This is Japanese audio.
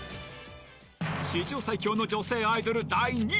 史上最強の女性アイドル第２位。